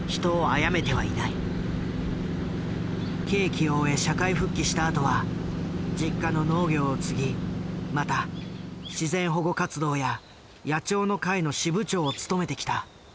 刑期を終え社会復帰したあとは実家の農業を継ぎまた自然保護活動や野鳥の会の支部長を務めてきた。